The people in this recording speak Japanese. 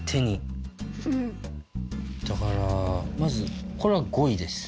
だからまずこれは５位です。